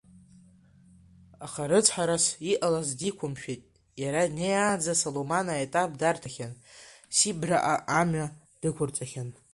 Аха рыцҳарас иҟалаз, диқәымшәеит, иара днеиаанӡа Салуман аетап дарҭахьан, Сибраҟа амҩа дықәырҵахьан.